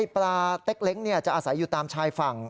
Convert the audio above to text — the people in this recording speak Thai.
ปลาเต็กเล้งจะอาศัยอยู่ตามชายฝั่ง